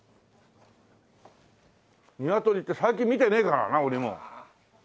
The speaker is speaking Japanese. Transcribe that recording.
ニワトリって最近見てねえからな俺も。